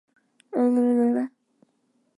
解析外部实体。